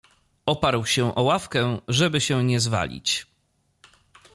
Oparł się o ławkę, żeby się nie zwalić.